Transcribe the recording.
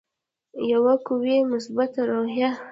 یوه قوي او مثبته روحیه.